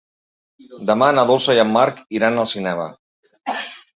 Demà na Dolça i en Marc iran al cinema.